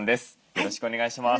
よろしくお願いします。